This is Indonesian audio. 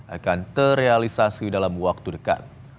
akan terrealisasi dalam waktu dekat